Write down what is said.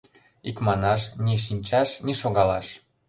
Икманаш, ни шинчаш, ни шогалаш.